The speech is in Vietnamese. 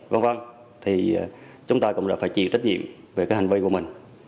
vâng thì chúng ta cũng đã phải chịu trách nhiệm về cái hành vi của mình